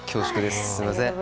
すみません。